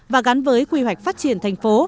và gắn với quy hoạch phát triển thành phố